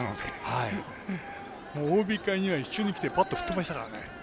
ＯＢ会には一緒に来てバット振ってましたから。